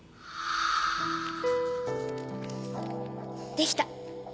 できた。